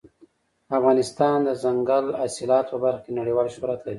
افغانستان د دځنګل حاصلات په برخه کې نړیوال شهرت لري.